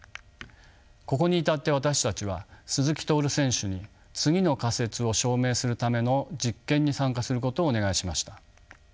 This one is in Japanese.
ここに至って私たちは鈴木徹選手に次の仮説を証明するための実験に参加することをお願いしました。